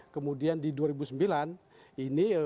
kemudian di dua ribu sembilan ini